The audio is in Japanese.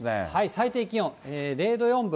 最低気温は０度４分。